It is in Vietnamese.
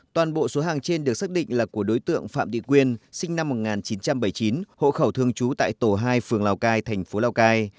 toàn bộ số hàng trên được xác định là của đối tượng phạm thị quyên sinh năm một nghìn chín trăm bảy mươi chín hộ khẩu thương chú tại tổ hai phường lào cai thành phố lào cai